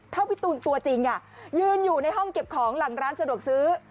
ถ้าพี่ตูนตัวจริงยืนอยู่ในห้องเก็บของหลังร้านสะดวกซื้อ